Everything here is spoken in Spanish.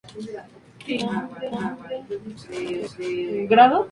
Fue lanzado como primer álbum del programa de televisión nacional La Voz Colombia.